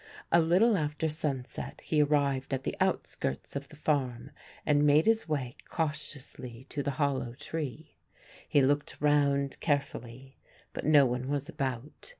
A little after sunset he arrived at the outskirts of the farm and made his way cautiously to the hollow tree. He looked round carefully, but no one was about.